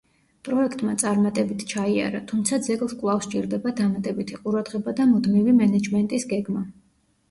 პროექტმა წარმატებით ჩაიარა, თუმცა ძეგლს კვლავ სჭირდება დამატებითი ყურადღება და მუდმივი მენეჯმენტის გეგმა.